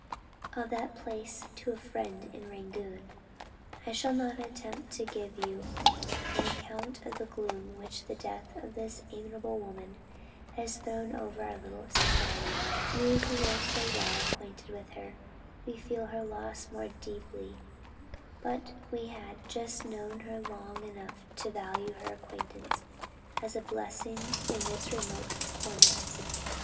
of that place to a friend in Rangoon: "I shall not attempt to give you an account of the gloom which the death of this amiable woman has thrown over our little society, you who were so well acquainted with her, will feel her loss more deeply; but we had just known her long enough to value her acquaintance as a blessing in this remote corner.